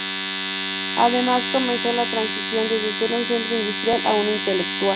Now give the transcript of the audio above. Además, comenzó la transición desde ser un centro industrial a uno intelectual.